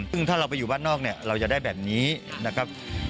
ซึ่งถ้าเราไปอยู่บ้านนอกเนี่ยเราจะได้แบบนี้นะครับ